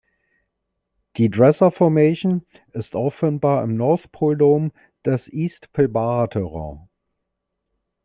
Die Dresser Formation ist auffindbar im North Pole Dome des East Pilbara Terrane.